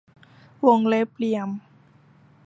วงเล็บเหลี่ยม